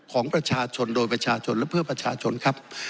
ของประชาชนโดยประชาชนและเพื่อประชาชนครับ